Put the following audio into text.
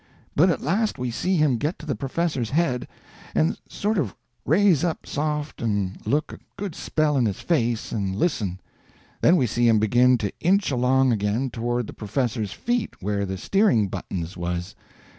But at last we see him get to the professor's head, and sort of raise up soft and look a good spell in his face and listen. Then we see him begin to inch along again toward the professor's feet where the steering buttons was.